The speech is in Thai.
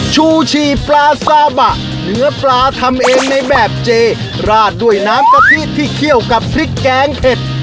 ชูชีปลาซาบะเนื้อปลาทำเองในแบบเจราดด้วยน้ำกะทิที่เคี่ยวกับพริกแกงเผ็ด